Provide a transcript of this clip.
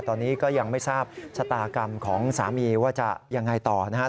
ตอนนี้ก็ยังไม่ทราบชะตากรรมของสามีว่าจะยังไงต่อนะครับ